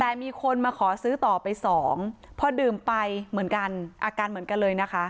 แต่มีคนมาขอซื้อต่อไปสองพอดื่มไปเหมือนกันอาการเหมือนกันเลยนะคะ